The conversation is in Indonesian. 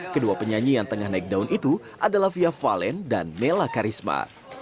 kedua penyanyi yang tengah naik daun itu adalah fia valen dan mela karisma